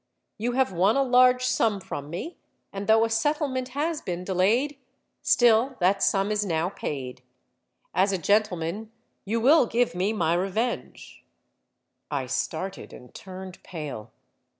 You have won a large sum from me; and though a settlement has been delayed, still that sum is now paid. As a gentleman you will give me my revenge.'—I started and turned pale.